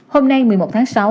hôm nay một mươi một tháng sáu